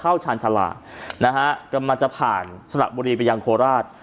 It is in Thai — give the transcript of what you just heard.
ชาญชาลานะฮะกำลังจะผ่านสระบุรีไปยังโคราช